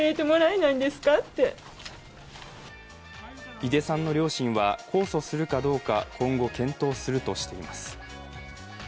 井出さんの両親は、控訴するかどうか今後検討するとしています。